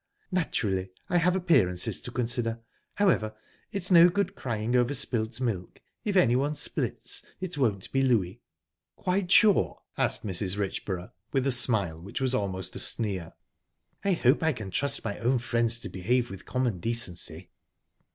"Naturally I have appearances to consider. However, it's no good crying over spilt milk if anyone splits, it won't be Louie." "Quite sure?" asked Mrs. Richborough, with a smile which was almost a sneer. "I hope I can trust my own friends to behave with common decency."